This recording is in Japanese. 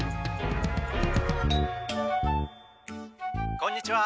こんにちは。